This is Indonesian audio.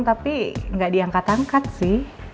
tapi nggak diangkat angkat sih